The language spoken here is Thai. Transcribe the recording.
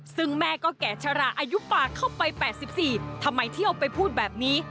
ซึ่งแม่ก็แก่ชะลาอายุปากเข้าไป๘๔ทำไมเที่ยวไปพูดแบบนี้